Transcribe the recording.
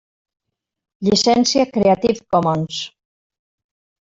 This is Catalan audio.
Llicència Creative Commons.